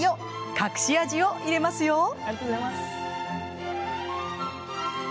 隠し味を入れますよ。